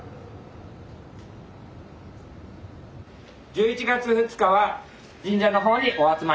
１１月２日は神社の方にお集まり下さい。